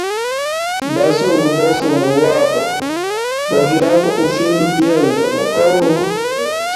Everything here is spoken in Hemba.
Bazungu bo fuma wabo bo vyaga ufimba byende mu congo.